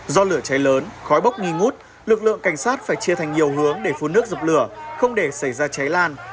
do lửa cháy lớn khói bốc nghi ngút lực lượng cảnh sát phải chia thành nhiều hướng để phun nước dập lửa không để xảy ra cháy lan